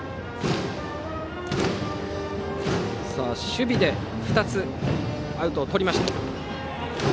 守備で２つアウトをとりました。